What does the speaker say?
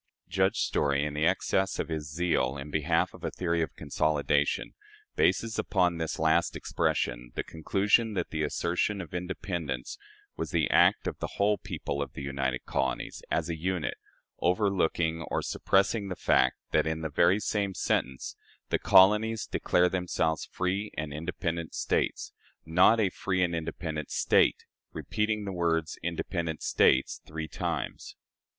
Judge Story, in the excess of his zeal in behalf of a theory of consolidation, bases upon this last expression the conclusion that the assertion of independence was the act of "the whole people of the united colonies" as a unit; overlooking or suppressing the fact that, in the very same sentence, the colonies declare themselves "free and independent States" not a free and independent state repeating the words "independent States" three times.